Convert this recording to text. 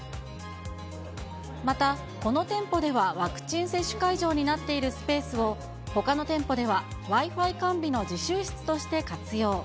またこの店舗ではワクチン接種会場になっているスペースを、ほかの店舗ではＷｉ−Ｆｉ完備の自習室として活用。